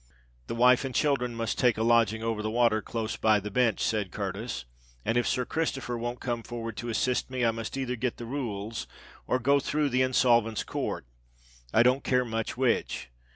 "The wife and children must take a lodging over the water, close by the Bench," said Curtis; "and if Sir Christopher won't come forward to assist me, I must either get the Rules or go through the Insolvent's Court—I don't care much which.